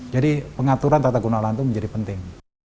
jadi pengaturan tata gunalahan itu menjadi penting